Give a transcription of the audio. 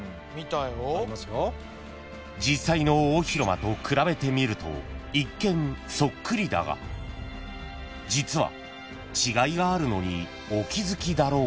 ［実際の大広間と比べてみると一見そっくりだが実は違いがあるのにお気付きだろうか］